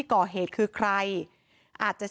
เหตุการณ์เกิดขึ้นแถวคลองแปดลำลูกกา